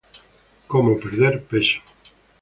Cómo perder peso